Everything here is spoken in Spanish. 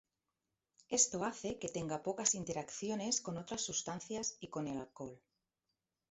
Esto hace que tenga pocas interacciones con otras sustancias y con el alcohol.